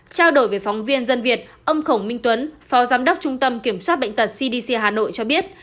trao đổi với phóng viên dân việt ông khổng minh tuấn phó giám đốc trung tâm kiểm soát bệnh tật cdc hà nội cho biết